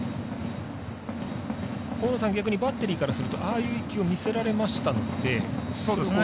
逆にバッテリーからするとああいう１球を見せられましたので。